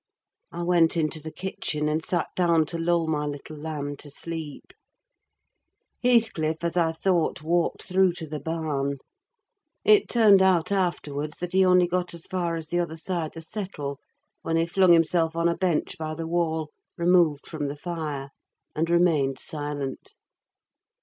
I went into the kitchen, and sat down to lull my little lamb to sleep. Heathcliff, as I thought, walked through to the barn. It turned out afterwards that he only got as far as the other side the settle, when he flung himself on a bench by the wall, removed from the fire, and remained silent.